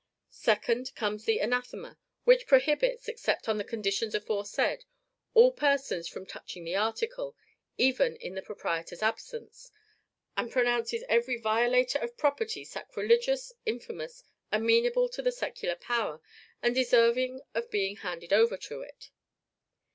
Second, comes the ANATHEMA, which prohibits except on the conditions aforesaid all persons from touching the article, even in the proprietor's absence; and pronounces every violator of property sacrilegious, infamous, amenable to the secular power, and deserving of being handed over to it.